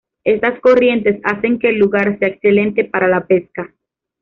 Estas corrientes hacen que el lugar sea excelente para la pesca.